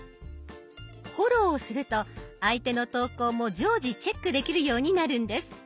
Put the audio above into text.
フォローをすると相手の投稿も常時チェックできるようになるんです。